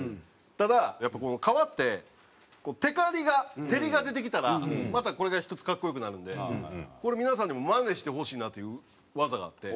ただやっぱこの革ってテカリが照りが出てきたらまたこれがひとつ格好良くなるんでこれ皆さんにもマネしてほしいなっていう技があって。